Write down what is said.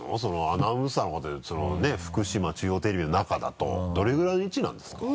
アナウンサーの方でいうとそのね福島中央テレビの中だとどれぐらいの位置なんですか？